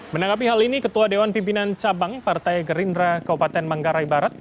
menanggapi hal ini ketua dewan pimpinan cabang partai gerindra kabupaten manggarai barat